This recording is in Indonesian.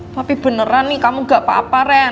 tapi beneran nih kamu gak apa apa ren